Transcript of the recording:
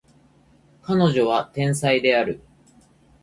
彼女は天才である